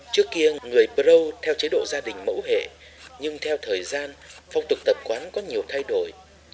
trước kia người prow theo chế độ gia đình mẫu hệ nhưng theo thời gian phong tục tập quán có nhiều thay đổi